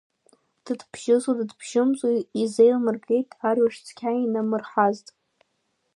Дыдбжьызу дыдбжьымзу изеилмыргеит арҩаш цқьа инамырҳазт.